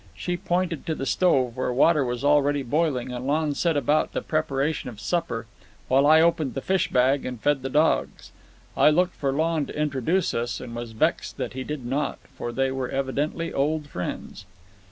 She pointed to the stove, where water was already boiling, and Lon set about the preparation of supper, while I opened the fish bag and fed the dogs. I looked for Lon to introduce us, and was vexed that he did not, for they were evidently old friends.